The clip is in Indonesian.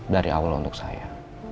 dari allah untuk saya